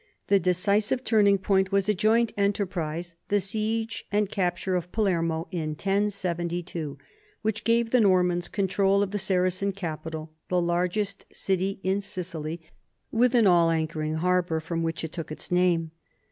The decisive turning point was a joint enterprise, the siege and capture of Palermo in 1072, which gave the Normans control of the Saracen capital, the largest city in Sicily, with an all anchoring harbor from which it took its name.